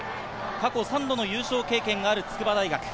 過去３度の優勝経験がある筑波大学。